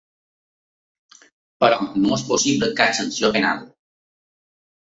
Però no és possible cap sanció penal.